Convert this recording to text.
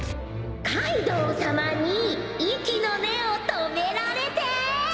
カイドウさまに息の根を止められて。